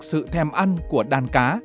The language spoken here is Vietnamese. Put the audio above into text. sự thèm ăn của đàn cá